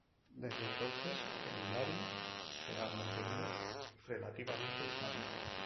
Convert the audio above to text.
Desde entonces, el lari se ha mantenido relativamente estable.